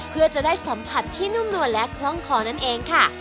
เพื่อจะได้สัมผัสที่นุ่มนวลและคล่องคอนั่นเองค่ะ